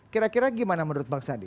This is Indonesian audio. kira kira gimana menurut bang sandi